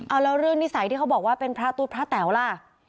เอาแล้วเรื่องนิสัยที่เขาบอกว่าเป็นพระตุ๊ดพระแต๋วล่ะ